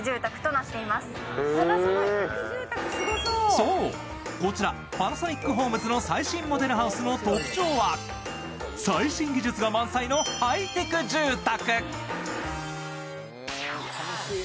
そう、こちらパナソニックホームズの最新モデルハウスの特徴は最新技術が満載のハイテク住宅。